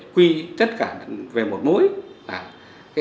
quy tất cả về một mối